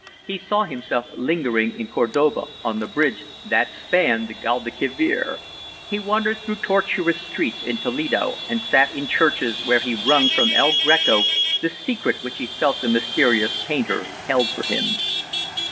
He saw himself lingering in Cordova on the bridge that spanned the Gaudalquivir; he wandered through tortuous streets in Toledo and sat in churches where he wrung from El Greco the secret which he felt the mysterious painter held for him.